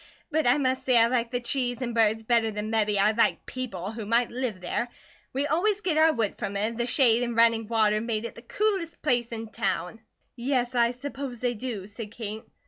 But I must say I like the trees and birds better than mebby I'd like people who might live there; we always git our wood from it, and the shade an' running water make it the coolest place in town." "Yes, I suppose they do," said Kate.